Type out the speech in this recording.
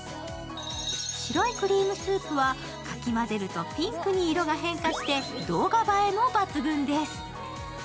白いクリームスープは、かき混ぜるとピンクに色が変化して動画映えも抜群です。